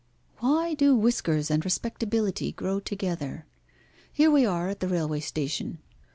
Why do whiskers and respectability grow together? Here we are at the railway station.